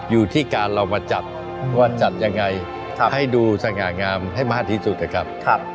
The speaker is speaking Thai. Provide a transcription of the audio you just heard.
อยู่ที่การเรามาจัดว่าจัดยังไงให้ดูสง่างามให้มากที่สุดนะครับ